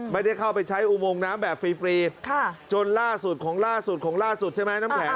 ไม่ได้เข้าไปใช้อุโมงน้ำแบบฟรีจนล่าสุดของล่าสุดของล่าสุดใช่ไหมน้ำแข